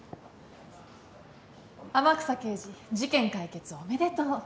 天草刑事事件解決おめでとう。